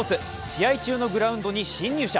試合中のグラウンドに侵入者。